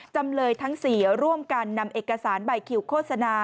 จำเลยทั้ง๔ร่วมกันนำเอกสารใบคิวโฆษณา